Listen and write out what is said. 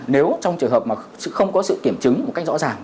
nếu trong trường hợp mà không có sự kiểm chứng một cách rõ ràng